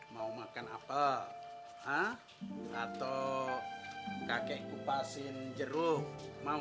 mau makan apa atau kakek upasin jeruk sekadar mau